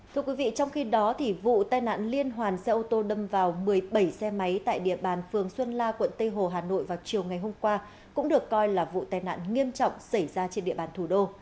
thưa quý vị trong khi đó vụ tai nạn liên hoàn xe ô tô đâm vào một mươi bảy xe máy tại địa bàn phường xuân la quận tây hồ hà nội vào chiều ngày hôm qua cũng được coi là vụ tai nạn nghiêm trọng xảy ra trên địa bàn thủ đô